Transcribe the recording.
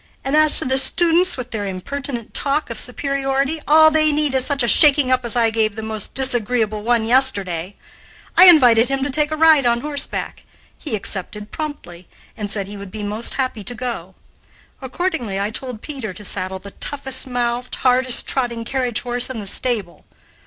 And as to the students with their impertinent talk of superiority, all they need is such a shaking up as I gave the most disagreeable one yesterday. I invited him to take a ride on horseback. He accepted promptly, and said he would be most happy to go. Accordingly I told Peter to saddle the toughest mouthed, hardest trotting carriage horse in the stable.